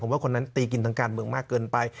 ว่าคนนั้นตีกินทางการเมืองมากเกินไป